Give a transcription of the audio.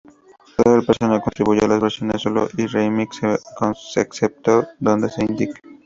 Todo el personal contribuyó a las versiones solo y remix, excepto donde se indique.